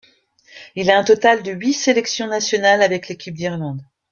Il a un total de huit sélections nationales avec l'équipe d'Irlande.